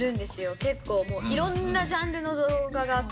結構、いろんなジャンルの動画があって。